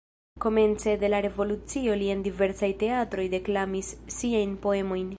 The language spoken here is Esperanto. Komence de la revolucio li en diversaj teatroj deklamis siajn poemojn.